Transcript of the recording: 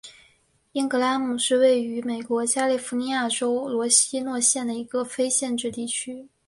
因格拉姆是位于美国加利福尼亚州门多西诺县的一个非建制地区。